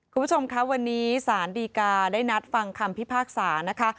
คุณผู้ชมคะวันนี้สารดีกาได้นัดฟังคำพิพากษานะคะ